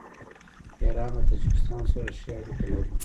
ایران له تاجکستان سره ښې اړیکې لري.